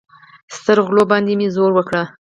سترغلو باندې مې زور وکړ.